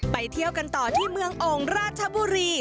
เที่ยวกันต่อที่เมืองโอ่งราชบุรี